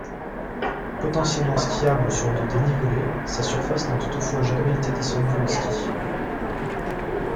Potentiellement skiable sur de dénivelé, sa surface n'a toutefois jamais été descendue en ski.